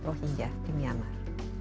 rohinya di myanmar